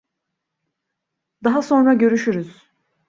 Daha sonra görüşürüz.